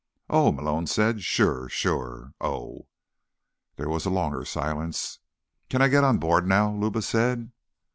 "Oh," Malone said. "Sure. Sure. Oh." There was a longer silence. "Can I get on board now?" Luba said.